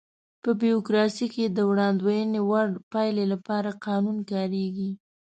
په بیوروکراسي کې د وړاندوينې وړ پایلې لپاره قانون کاریږي.